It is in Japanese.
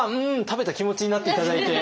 食べた気持ちになって頂いて。